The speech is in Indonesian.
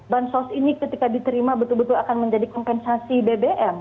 bansos ini ketika diterima betul betul akan menjadi kompensasi bbm